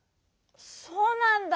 そうなんだ。